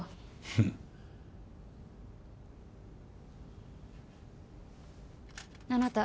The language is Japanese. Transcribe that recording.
フンあなた